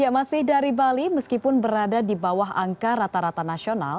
masih dari bali meskipun berada di bawah angka rata rata nasional